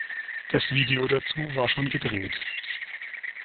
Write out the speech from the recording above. Das Video dazu war schon gedreht.